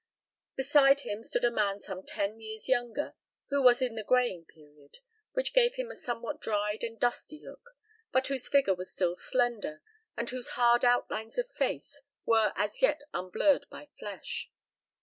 Beside him stood a man some ten years younger who was in the graying period, which gave him a somewhat dried and dusty look; but whose figure was still slender and whose hard outlines of face were as yet unblurred by flesh.